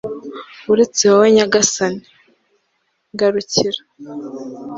uretse wowe nyagasani. ngarukira